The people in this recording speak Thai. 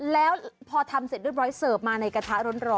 แล้วพอทำเสร็จเรียบร้อยเสิร์ฟมาในกระทะร้อน